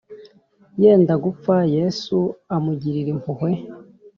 yenda gupfa yesu amugirira impuhwe